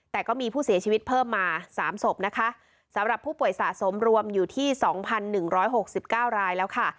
แต่ก็มีผู้เสียชีวิตเพิ่มมาสามศพนะคะสำหรับผู้ป่วยสะสมรวมอยู่ที่สองพันหนึ่งร้อยหกสิบเก้ารายแล้วค่ะ